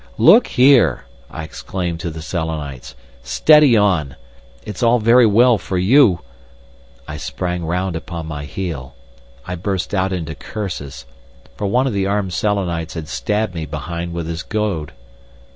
"Look here!" I exclaimed to the Selenites. "Steady on! It's all very well for you—" I sprang round upon my heel. I burst out into curses. For one of the armed Selenites had stabbed me behind with his goad.